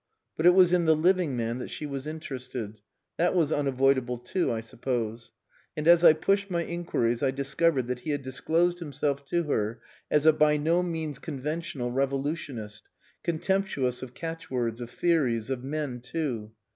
But it was in the living man that she was interested. That was unavoidable too, I suppose. And as I pushed my inquiries I discovered that he had disclosed himself to her as a by no means conventional revolutionist, contemptuous of catchwords, of theories, of men too.